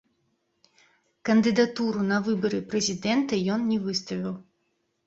Кандыдатуру на выбары прэзідэнта ён не выставіў.